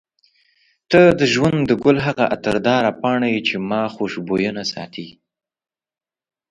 ته د ژوند د ګل هغه عطرداره پاڼه یې چې ما خوشبوینه ساتي.